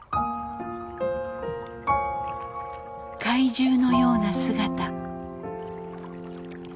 怪獣のような姿。